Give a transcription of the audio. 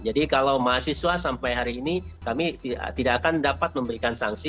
jadi kalau mahasiswa sampai hari ini kami tidak akan dapat memberikan sanksi